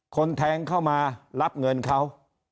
แทงเข้ามารับเงินเขา